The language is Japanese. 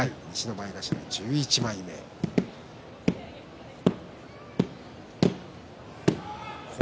西の１１枚目です。